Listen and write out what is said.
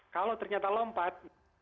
kalau ternyata lompat